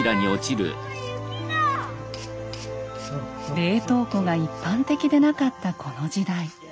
冷凍庫が一般的でなかったこの時代。